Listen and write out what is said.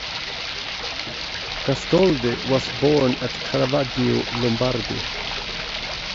Gastoldi was born at Caravaggio, Lombardy.